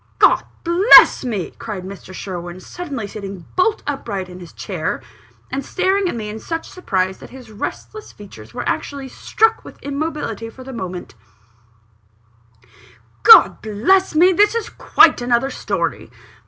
"God bless me!" cried Mr. Sherwin, suddenly sitting back bolt upright in his chair, and staring at me in such surprise, that his restless features were actually struck with immobility for the moment "God bless me, this is quite another story.